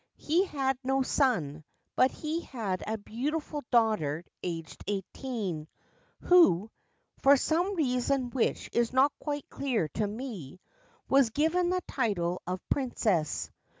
He had no son ; but he had a beautiful daughter aged eighteen, who (for some reason which is not quite clear to me) was given the title of Princess.